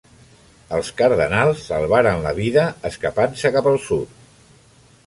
Els cardenals salvaran la vida escapant-se cap al sud.